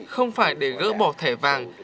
không phải để gỡ bỏ thẻ vàng